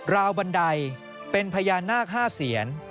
วบันไดเป็นพญานาค๕เสียน